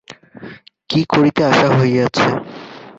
কী করিতে আসা হইয়াছে?